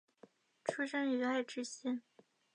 出身于爱知县。